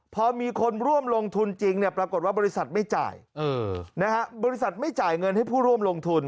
พอมีคนร่วมลงทุนจริงปรากฏว่าบริษัทไม่จ่ายบริษัทไม่จ่ายเงินให้ผู้ร่วมลงทุน